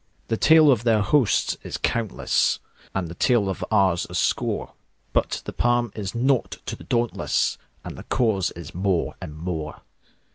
The tale of their hosts is countless, And the tale of ours a score; But the palm is naught to the dauntless, And the cause is more and more.